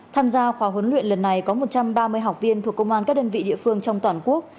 tham gia khóa huấn luyện lần này có một trăm ba mươi học viên thuộc công an các đơn vị địa phương trong toàn quốc